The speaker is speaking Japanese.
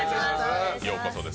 ようこそです。